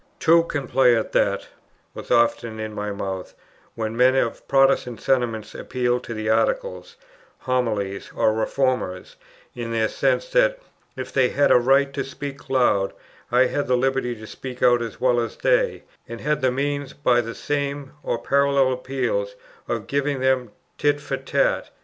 "Two can play at that," was often in my mouth, when men of Protestant sentiments appealed to the Articles, Homilies, or Reformers; in the sense that, if they had a right to speak loud, I had the liberty to speak out as well as they, and had the means, by the same or parallel appeals, of giving them tit for tat.